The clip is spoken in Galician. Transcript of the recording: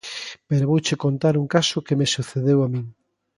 Pero vouche contar un caso que me sucedeu a min.